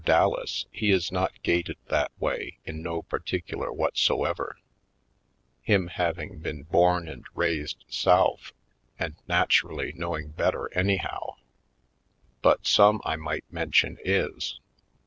Dallas, he is not gaited that way in no particular whatsoever; him having been born and raised South and naturally knowing better anyhow; but some I might mention is.